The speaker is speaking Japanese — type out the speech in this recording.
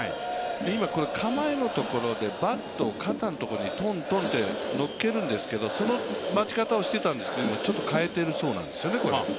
今、構えのところでバットを肩のところにとんとんって乗っけるんですけどその待ち方をしていたんですけどちょっと変えているそうなんですよね。